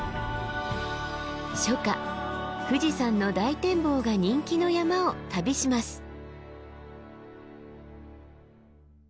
初夏富士山の大展望が人気の山を旅します。